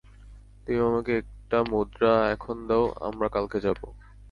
তুমি আমাকে একটা মুদ্রা এখন দেও, আমরা কালকে যাবো।